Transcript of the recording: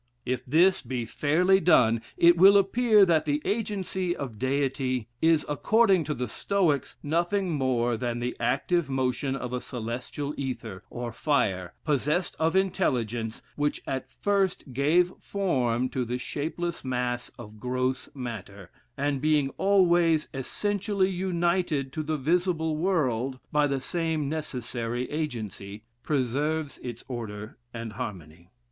If this be fairly done, it will appear that the agency of Deity is, according to the Stoics, nothing more than the active motion of a celestial ether, or fire, possessed of intelligence, which at first gave form to the shapeless mass of gross matter, and being always essentially united to the visible world by the same necessary agency, preserves its order and harmony.